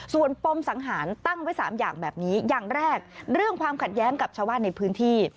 ส่วนปมสังหารตั้งไว้๓อย่างแบบนี้อย่างแรกเรื่องความขัดแย้งกับชาวบ้านในพื้นที่